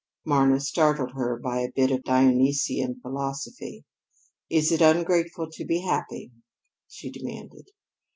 Marna startled her by a bit of Dionysian philosophy. "Is it ungrateful to be happy?" she demanded.